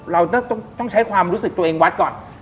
เราต้องใช้ความรู้สึกตัวเองวัดก่อน